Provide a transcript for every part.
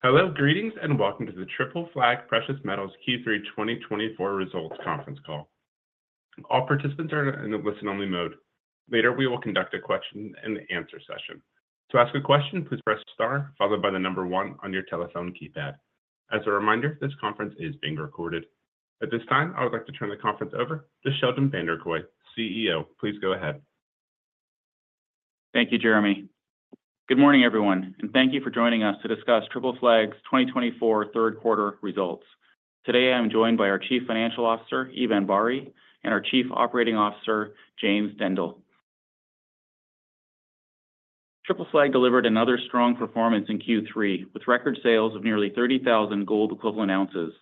Hello, greetings, and welcome to the Triple Flag Precious Metals Q3 2024 Results Conference Call. All participants are in the listen-only mode. Later, we will conduct a question-and-answer session. To ask a question, please press star followed by the number one on your telephone keypad. As a reminder, this conference is being recorded. At this time, I would like to turn the conference over to Sheldon Vanderkooy, CEO. Please go ahead. Thank you, Jeremy. Good morning, everyone, and thank you for joining us to discuss Triple Flag's 2024 Third-Quarter Results. Today, I am joined by our Chief Financial Officer, Eban Bari, and our Chief Operating Officer, James Dendle. Triple Flag delivered another strong performance in Q3 with record sales of nearly 30,000 gold-equivalent ounces.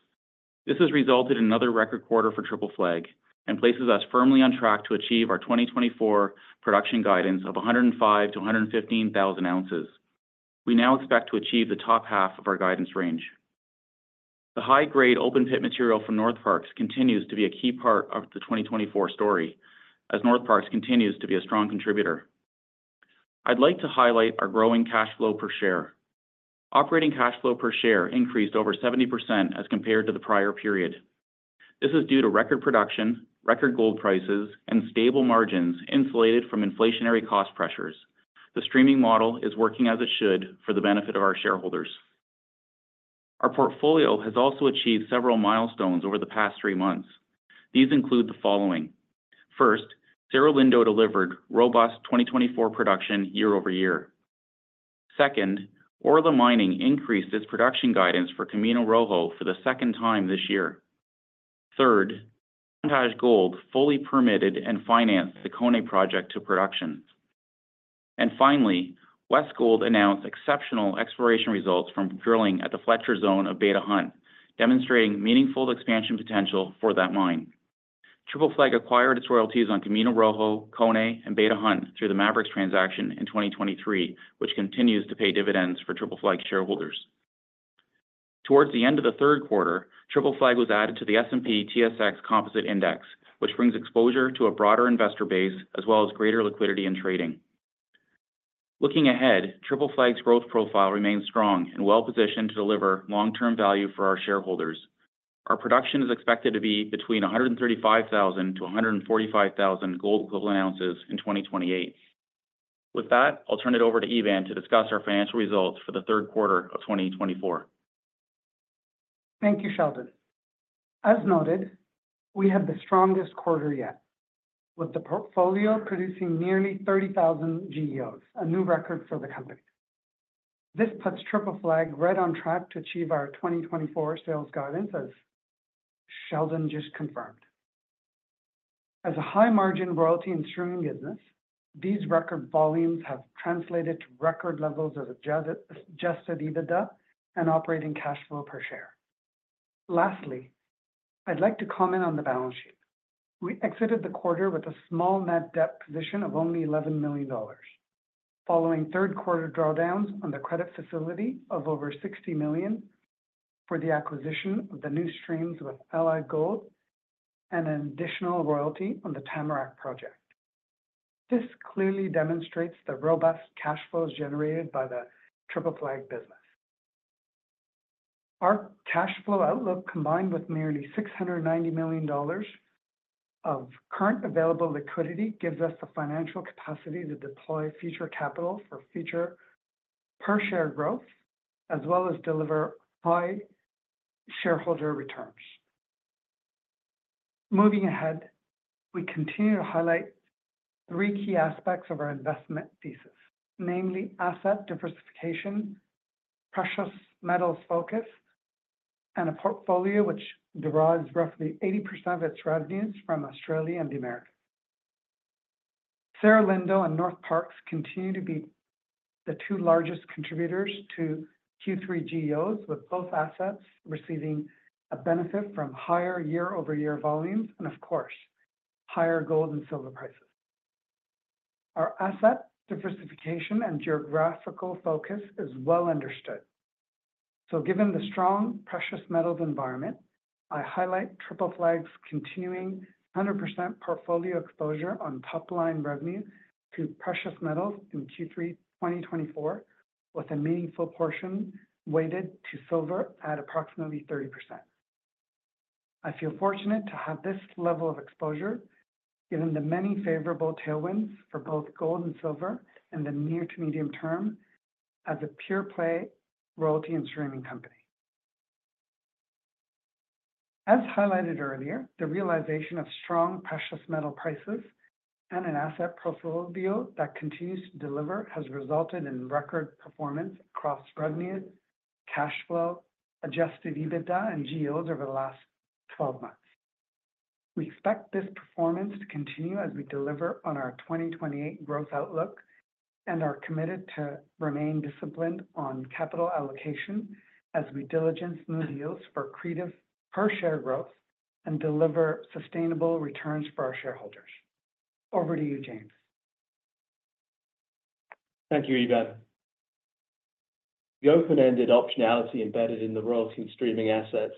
This has resulted in another record quarter for Triple Flag and places us firmly on track to achieve our 2024 production guidance of 105,000-115,000 ounces. We now expect to achieve the top half of our guidance range. The high-grade open-pit material from Northparkes continues to be a key part of the 2024 story, as Northparkes continues to be a strong contributor. I'd like to highlight our growing cash flow per share. Operating cash flow per share increased over 70% as compared to the prior period. This is due to record production, record gold prices, and stable margins insulated from inflationary cost pressures. The streaming model is working as it should for the benefit of our shareholders. Our portfolio has also achieved several milestones over the past three months. These include the following: first, Cerro Lindo delivered robust 2024 production year over year. Second, Orla Mining increased its production guidance for Camino Rojo for the second time this year. Third, Montage Gold fully permitted and financed the Koné project to production. And finally, Westgold announced exceptional exploration results from drilling at the Fletcher Zone of Beta Hunt, demonstrating meaningful expansion potential for that mine. Triple Flag acquired its royalties on Camino Rojo, Koné, and Beta Hunt through the Maverix transaction in 2023, which continues to pay dividends for Triple Flag shareholders. Towards the end of the third quarter, Triple Flag was added to the S&P/TSX Composite Index, which brings exposure to a broader investor base as well as greater liquidity in trading. Looking ahead, Triple Flag's growth profile remains strong and well-positioned to deliver long-term value for our shareholders. Our production is expected to be between 135,000-145,000 gold-equivalent ounces in 2028. With that, I'll turn it over to Eban to discuss our financial results for the third quarter of 2024. Thank you, Sheldon. As noted, we have the strongest quarter yet, with the portfolio producing nearly 30,000 GEOs, a new record for the company. This puts Triple Flag right on track to achieve our 2024 sales guidance, as Sheldon just confirmed. As a high-margin royalty and streaming business, these record volumes have translated to record levels of adjusted EBITDA and operating cash flow per share. Lastly, I'd like to comment on the balance sheet. We exited the quarter with a small net debt position of only $11 million, following third-quarter drawdowns on the credit facility of over $60 million for the acquisition of the new streams with Allied Gold and an additional royalty on the Tamarack Project. This clearly demonstrates the robust cash flows generated by the Triple Flag business. Our cash flow outlook, combined with nearly $690 million of current available liquidity, gives us the financial capacity to deploy future capital for future per-share growth, as well as deliver high shareholder returns. Moving ahead, we continue to highlight three key aspects of our investment thesis, namely asset diversification, precious metals focus, and a portfolio which derives roughly 80% of its revenues from Australia and the Americas. Cerro Lindo and Northparkes continue to be the two largest contributors to Q3 GEOs, with both assets receiving a benefit from higher year-over-year volumes and, of course, higher gold and silver prices. Our asset diversification and geographical focus is well understood. So, given the strong precious metals environment, I highlight Triple Flag's continuing 100% portfolio exposure on top-line revenue to precious metals in Q3 2024, with a meaningful portion weighted to silver at approximately 30%. I feel fortunate to have this level of exposure, given the many favorable tailwinds for both gold and silver in the near to medium term as a pure-play royalty and streaming company. As highlighted earlier, the realization of strong precious metal prices and an asset portfolio that continues to deliver has resulted in record performance across revenue, cash flow, adjusted EBITDA, and GEOs over the last 12 months. We expect this performance to continue as we deliver on our 2028 growth outlook and are committed to remain disciplined on capital allocation as we diligence new deals for creative per-share growth and deliver sustainable returns for our shareholders. Over to you, James. Thank you, Eban. The open-ended optionality embedded in the royalty and streaming assets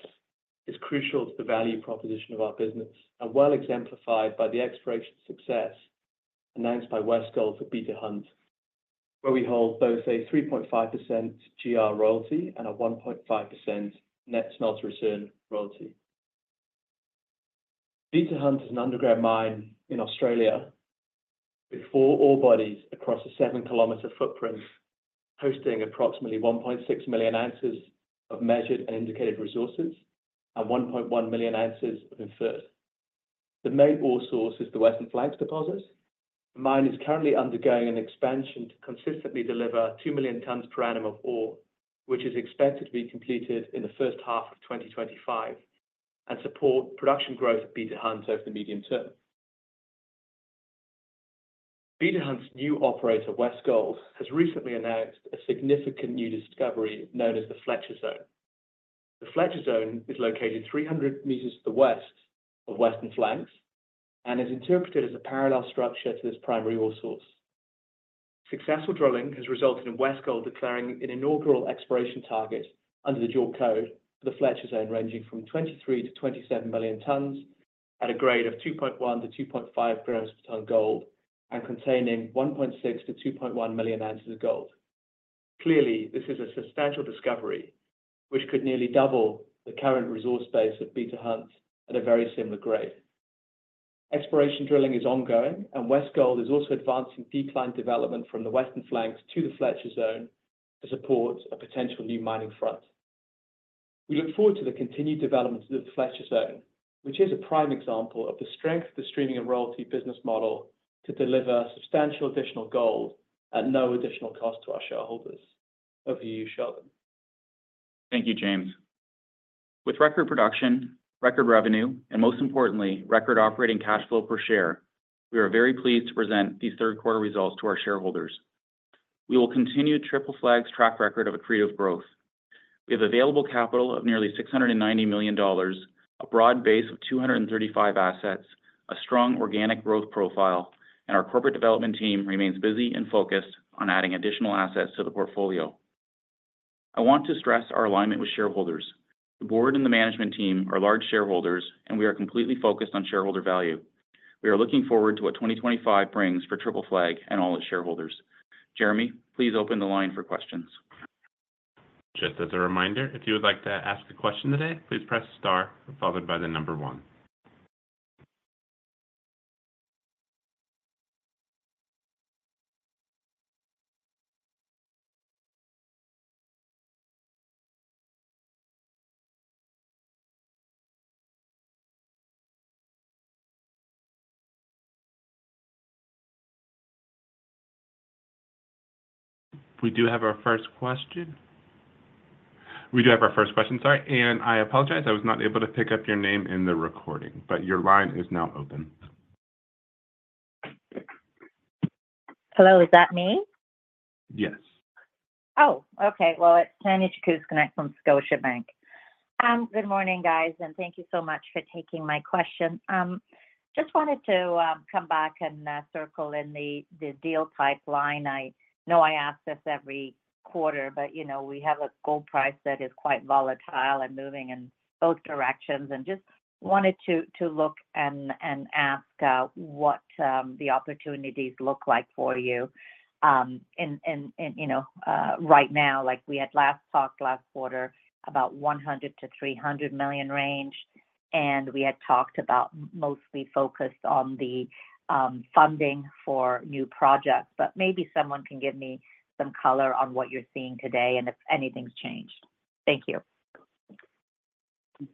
is crucial to the value proposition of our business, and well exemplified by the exploration success announced by Westgold for Beta Hunt, where we hold both a 3.5% GR royalty and a 1.5% net smelter return royalty. Beta Hunt is an underground mine in Australia with four ore bodies across a seven-kilometer footprint, hosting approximately 1.6 million ounces of measured and indicated resources and 1.1 million ounces of inferred. The main ore source is the Western Flanks Deposits. The mine is currently undergoing an expansion to consistently deliver 2 million tons per annum of ore, which is expected to be completed in the first half of 2025 and support production growth at Beta Hunt over the medium term. Beta Hunt's new operator, Westgold, has recently announced a significant new discovery known as the Fletcher Zone. The Fletcher Zone is located 300 meters to the west of Western Flanks and is interpreted as a parallel structure to this primary ore source. Successful drilling has resulted in Westgold declaring an inaugural exploration target under the dual code for the Fletcher Zone, ranging from 23 to 27 million tons at a grade of 2.1 to 2.5 grams per ton gold and containing 1.6 to 2.1 million ounces of gold. Clearly, this is a substantial discovery, which could nearly double the current resource base of Beta Hunt at a very similar grade. Exploration drilling is ongoing, and Westgold is also advancing decline development from the Western Flanks to the Fletcher Zone to support a potential new mining front. We look forward to the continued development of the Fletcher Zone, which is a prime example of the strength of the streaming and royalty business model to deliver substantial additional gold at no additional cost to our shareholders. Over to you, Sheldon. Thank you, James. With record production, record revenue, and most importantly, record operating cash flow per share, we are very pleased to present these third-quarter results to our shareholders. We will continue Triple Flag's track record of accretive growth. We have available capital of nearly $690 million, a broad base of 235 assets, a strong organic growth profile, and our corporate development team remains busy and focused on adding additional assets to the portfolio. I want to stress our alignment with shareholders. The board and the management team are large shareholders, and we are completely focused on shareholder value. We are looking forward to what 2025 brings for Triple Flag and all its shareholders. Jeremy, please open the line for questions. Just as a reminder, if you would like to ask a question today, please press star followed by the number one. We do have our first question, sorry. I apologize, I was not able to pick up your name in the recording, but your line is now open. Hello, is that me? Yes. Oh, okay. Well, it's Tanya Jakusconek from Scotiabank. Good morning, guys, and thank you so much for taking my question. Just wanted to come back and circle back in the deal pipeline. I know I ask this every quarter, but we have a gold price that is quite volatile and moving in both directions, and just wanted to look and ask what the opportunities look like for you right now. We had last talked last quarter about $100-$300 million range, and we had talked about mostly focused on the funding for new projects, but maybe someone can give me some color on what you're seeing today and if anything's changed. Thank you.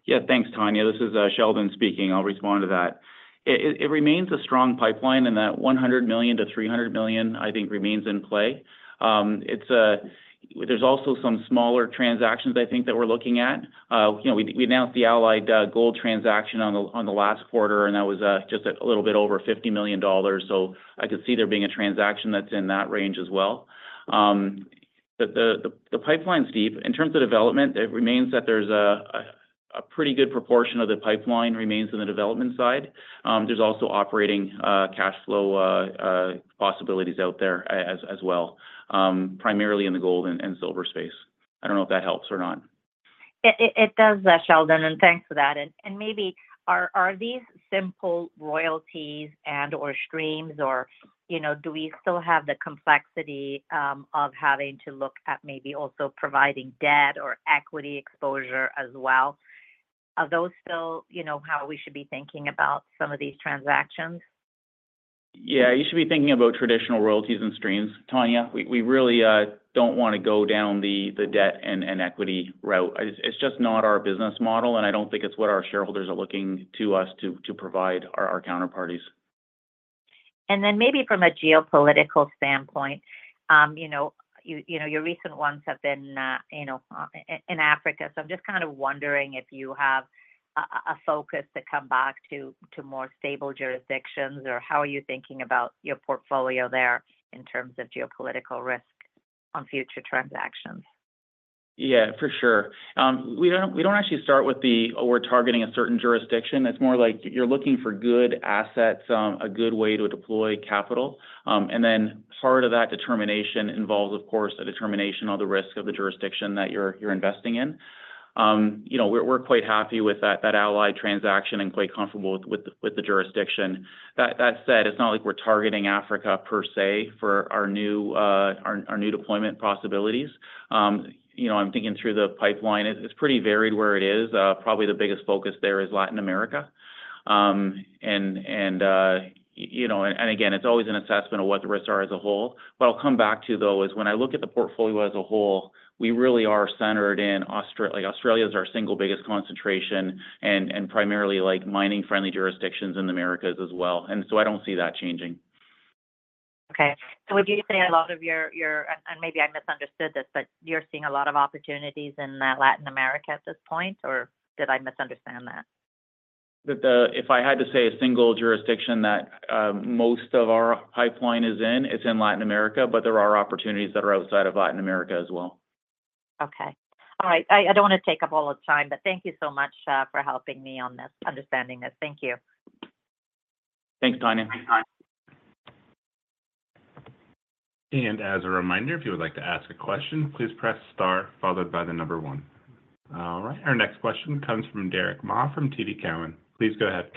Yeah, thanks, Tanya. This is Sheldon speaking. I'll respond to that. It remains a strong pipeline in that $100 million-$300 million, I think, remains in play. There's also some smaller transactions, I think, that we're looking at. We announced the Allied Gold transaction on the last quarter, and that was just a little bit over $50 million. So I could see there being a transaction that's in that range as well. The pipeline's deep. In terms of development, it remains that there's a pretty good proportion of the pipeline remains in the development side. There's also operating cash flow possibilities out there as well, primarily in the gold and silver space. I don't know if that helps or not. It does, Sheldon, and thanks for that. And maybe are these simple royalties and/or streams, or do we still have the complexity of having to look at maybe also providing debt or equity exposure as well? Are those still how we should be thinking about some of these transactions? Yeah, you should be thinking about traditional royalties and streams. Tanya, we really don't want to go down the debt and equity route. It's just not our business model, and I don't think it's what our shareholders are looking to us to provide our counterparties. Then maybe from a geopolitical standpoint, your recent ones have been in Africa, so I'm just kind of wondering if you have a focus to come back to more stable jurisdictions, or how are you thinking about your portfolio there in terms of geopolitical risk on future transactions? Yeah, for sure. We don't actually start with the, "Oh, we're targeting a certain jurisdiction." It's more like you're looking for good assets, a good way to deploy capital. And then part of that determination involves, of course, a determination on the risk of the jurisdiction that you're investing in. We're quite happy with that Allied transaction and quite comfortable with the jurisdiction. That said, it's not like we're targeting Africa per se for our new deployment possibilities. I'm thinking through the pipeline. It's pretty varied where it is. Probably the biggest focus there is Latin America. And again, it's always an assessment of what the risks are as a whole. What I'll come back to, though, is when I look at the portfolio as a whole, we really are centered in Australia. Australia is our single biggest concentration and primarily mining-friendly jurisdictions in the Americas as well. I don't see that changing. Okay. So would you say a lot of your, and maybe I misunderstood this, but you're seeing a lot of opportunities in Latin America at this point, or did I misunderstand that? If I had to say a single jurisdiction that most of our pipeline is in, it's in Latin America, but there are opportunities that are outside of Latin America as well. Okay. All right. I don't want to take up all the time, but thank you so much for helping me on this, understanding this. Thank you. Thanks, Tanya. As a reminder, if you would like to ask a question, please press star followed by the number one. All right. Our next question comes from Derick Ma from TD Cowen. Please go ahead.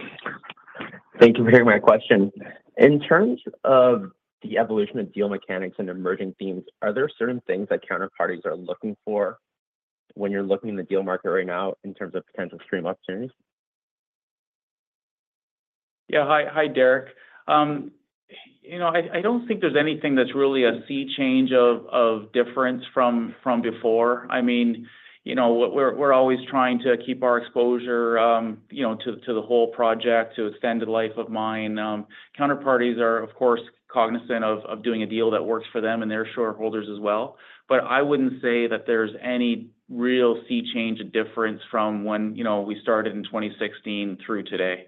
Thank you for hearing my question. In terms of the evolution of deal mechanics and emerging themes, are there certain things that counterparties are looking for when you're looking in the deal market right now in terms of potential stream opportunities? Yeah. Hi, Derek. I don't think there's anything that's really a sea change of difference from before. I mean, we're always trying to keep our exposure to the whole project, to extend the life of mine. Counterparties are, of course, cognizant of doing a deal that works for them and their shareholders as well. But I wouldn't say that there's any real sea change of difference from when we started in 2016 through today.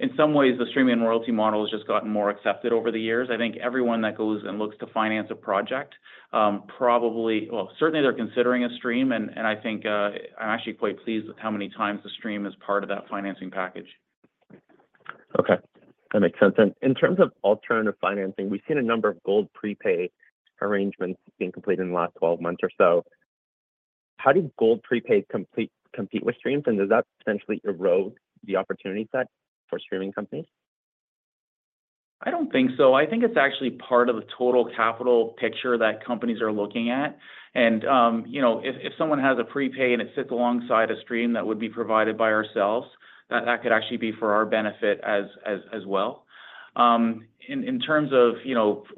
In some ways, the streaming and royalty model has just gotten more accepted over the years. I think everyone that goes and looks to finance a project probably, well, certainly they're considering a stream, and I think I'm actually quite pleased with how many times the stream is part of that financing package. Okay. That makes sense. And in terms of alternative financing, we've seen a number of gold prepay arrangements being completed in the last 12 months or so. How do gold prepays compete with streams, and does that potentially erode the opportunity set for streaming companies? I don't think so. I think it's actually part of the total capital picture that companies are looking at. And if someone has a prepay and it sits alongside a stream that would be provided by ourselves, that could actually be for our benefit as well. In terms of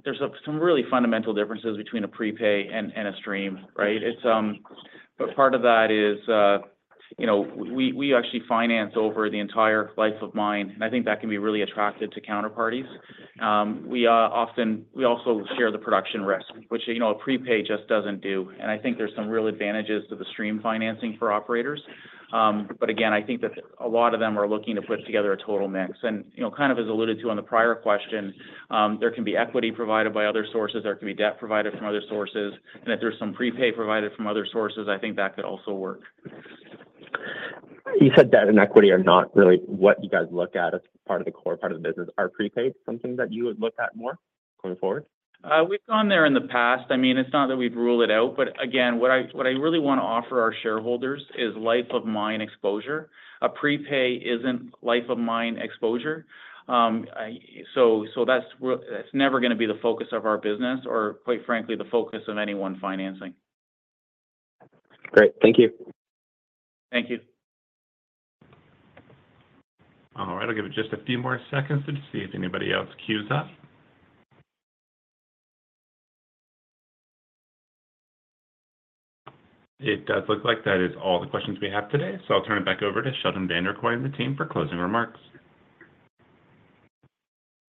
there's some really fundamental differences between a prepay and a stream, right? But part of that is we actually finance over the entire life of mine, and I think that can be really attractive to counterparties. We also share the production risk, which a prepay just doesn't do. And I think there's some real advantages to the stream financing for operators. But again, I think that a lot of them are looking to put together a total mix. And kind of as alluded to on the prior question, there can be equity provided by other sources. There can be debt provided from other sources. And if there's some prepay provided from other sources, I think that could also work. You said debt and equity are not really what you guys look at as part of the core part of the business. Are prepays something that you would look at more going forward? We've gone there in the past. I mean, it's not that we've ruled it out. But again, what I really want to offer our shareholders is life-of-mine exposure. A prepay isn't life-of-mine exposure. So that's never going to be the focus of our business or, quite frankly, the focus of anyone financing. Great. Thank you. Thank you. All right. I'll give it just a few more seconds to see if anybody else queues up. It does look like that is all the questions we have today. So I'll turn it back over to Sheldon Vanderkooy, the team, for closing remarks.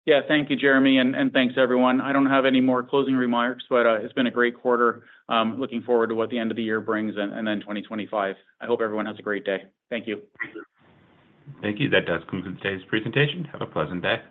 Yeah. Thank you, Jeremy, and thanks, everyone. I don't have any more closing remarks, but it's been a great quarter. Looking forward to what the end of the year brings and then 2025. I hope everyone has a great day. Thank you. Thank you. That does conclude today's presentation. Have a pleasant day.